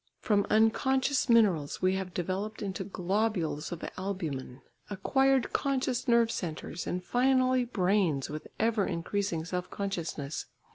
From unconscious minerals we have developed into globules of albumen, acquired conscious nerve centres and finally brains with ever increasing self consciousness.